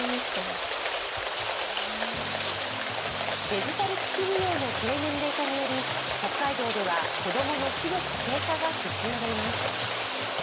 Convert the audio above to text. デジタル機器利用の低年齢化により北海道では子供の視力低下が進んでいます。